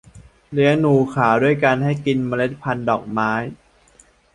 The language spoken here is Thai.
เลี้ยงหนูขาวด้วยการให้กินเมล็ดพันธ์ดอกไม้